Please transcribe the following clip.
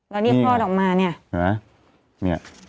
แล้วนี่พ่อออกมาเนี่ย